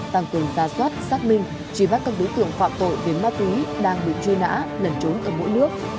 tăng cường gia soát xác minh truy bắt các đối tượng phạm tội về ma túy đang bị truy nã lẩn trốn ở mỗi nước